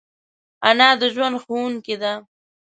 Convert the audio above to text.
انا د ژوند ښوونکی ده